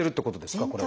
これは。